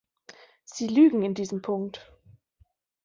Sie lügen in diesem Punkt!